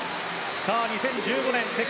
２０１５年世界